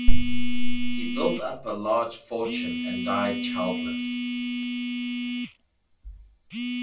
He built up a large fortune and died childless.